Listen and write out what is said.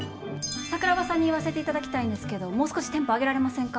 桜庭さんに言わせていただきたいんですけどもう少しテンポ上げられませんか？